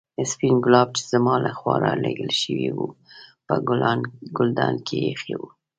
سپين ګلاب چې زما له خوا رالېږل شوي وو په ګلدان کې ایښي وو.